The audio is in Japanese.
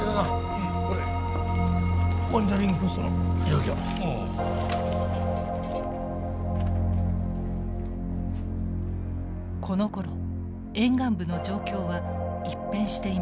このころ沿岸部の状況は一変していました。